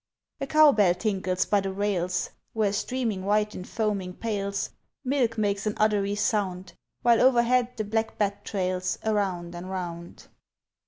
A cow bell tinkles by the rails, Where, streaming white in foaming pails, Milk makes an uddery sound; While overhead the black bat trails Around and 'round.